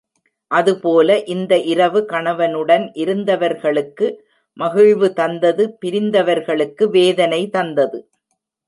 அதுபோல இந்த இரவு கணவனுடன் இருந்தவர்களுக்கு மகிழ்வு தந்தது பிரிந்தவர்களுக்கு வேதனை தந்தது.